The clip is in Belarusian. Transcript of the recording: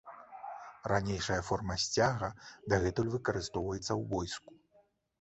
Ранейшая форма сцяга дагэтуль выкарыстоўваецца ў войску.